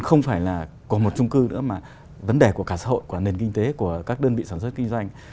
không phải là của một trung cư nữa mà vấn đề của cả xã hội của nền kinh tế của các đơn vị sản xuất kinh doanh